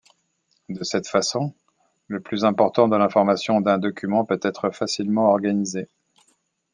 De cette façon, le plus important de l'information d'un document peut être facilement organisé.